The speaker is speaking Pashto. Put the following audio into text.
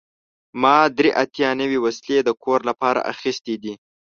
ما درې اتیا نوې وسیلې د کور لپاره اخیستې دي.